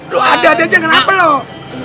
lo ada aja nganapeloh